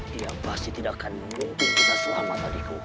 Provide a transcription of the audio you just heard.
dia pasti tidak akan membungkuk kita selama tadi